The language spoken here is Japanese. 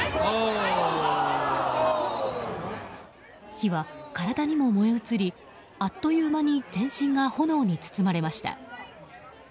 火は、体にも燃え移りあっという間に全身が炎に包まれました。